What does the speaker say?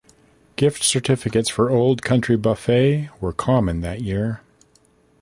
Gift certificates for Old Country Buffet were common that year.